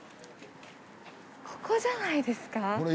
ここじゃないですか？